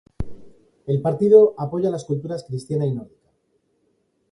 El partido apoya las culturas cristiana y nórdica.